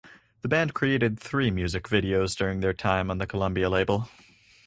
The band created three music videos during their time on the Columbia label.